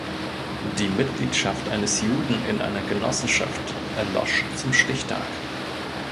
Die Mitgliedschaft eines Juden in einer Genossenschaft erlosch zum Stichtag.